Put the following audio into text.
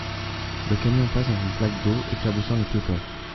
Le camion passe dans une flaque d'eau, éclaboussant les piétons